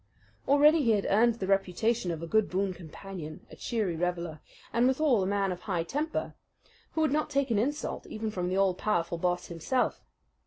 Already he had earned the reputation of a good boon companion, a cheery reveller, and withal a man of high temper, who would not take an insult even from the all powerful Boss himself.